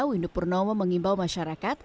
windu purnomo mengimbau masyarakat